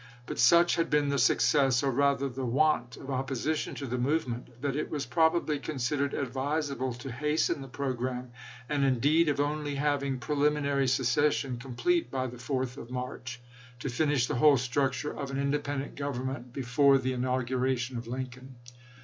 But such had been the success, or, rather, the want of opposition to the movement, that it was probably considered advisable to hasten the programme, and instead of only having preliminary secession complete by the 4th of March, to finish the whole structure of an THE MONTGOMERY CONFEDERACY 197 independent government before the inauguration chap.xiii. of Lincoln.